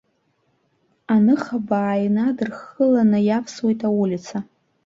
Аныхабаа инадырххыланы иавсуеит аулица.